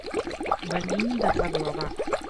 Venim de Parlavà.